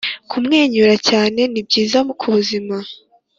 kumwenyura cyane ni byiza ku buzima